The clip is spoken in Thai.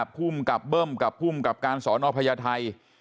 ผู้อุ้มกับเบิ้มกับผู้อุ้มกับการสอนอภัยไทย